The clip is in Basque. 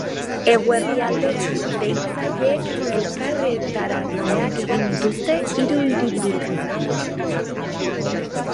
Eguerdi aldera, deitzaileek elkarretaratzeak egin dituzte hiru hiriburuetan.